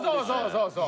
そうそう。